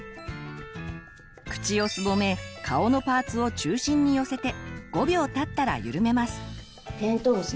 口をすぼめ顔のパーツを中心に寄せて５秒たったらゆるめます。